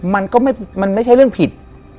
มันไม่ใช่เรื่องผิด